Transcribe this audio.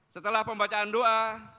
setelah pembacaan doa